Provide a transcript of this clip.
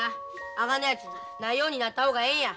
あがなやつないようになった方がええんや。